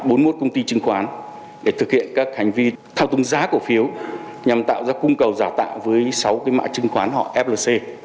các công ty chứng khoán để thực hiện các hành vi thao túng giá cổ phiếu nhằm tạo ra cung cầu giả tạo với sáu cái mạng chứng khoán họ flc